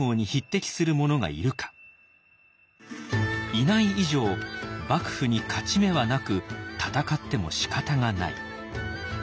いない以上幕府に勝ち目はなく戦ってもしかたがない。